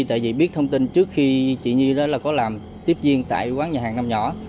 tại vì biết thông tin trước khi chị như đó là có làm tiếp viên tại quán nhà hàng năm nhỏ